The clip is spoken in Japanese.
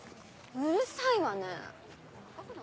うるさいわね。